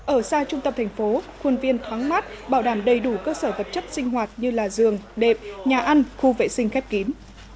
ở xa trung tâm thành phố khuôn viên thoáng mát bảo đảm đầy đủ cơ sở vật chất sinh hoạt như là giường đệp nhà ăn khu vệ sinh khép kín